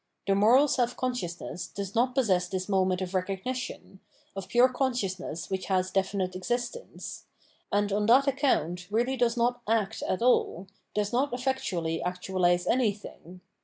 The moral self consciousness does not possess this moment of recog nition, of pure consciousness which has definite exist ence ; and on that accoimt really does not " act " at aU, does not efiectuaUy actualise anything.